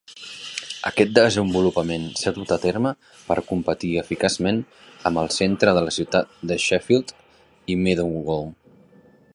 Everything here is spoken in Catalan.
Aquest desenvolupament s'ha dut a terme per competir eficaçment amb el centre de la ciutat de Sheffield i Meadowhall.